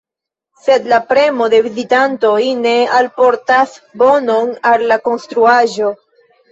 Sed la premo de vizitantoj ne alportas bonon al la konstruaĵo.